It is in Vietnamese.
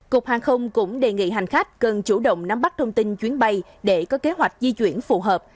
cục hàng không cũng đề nghị hành khách cần chủ động nắm bắt thông tin chuyến bay để có kế hoạch di chuyển phù hợp